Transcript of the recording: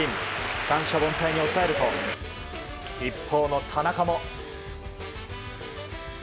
三者凡退に抑えると一方の田中も。